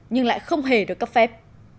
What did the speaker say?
nhưng lại không hề được cấp phép